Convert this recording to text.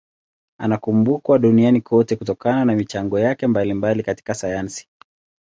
Anakumbukwa duniani kote kutokana na michango yake mbalimbali katika sayansi.